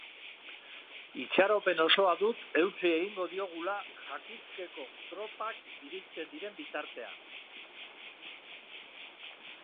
Itxaropen osoa dut eutsi egingo diogula Jakutskeko tropak iristen diren bitartean.